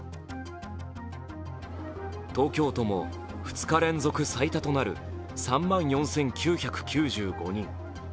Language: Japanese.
東京都も２日連続最多となる３万４９９５人。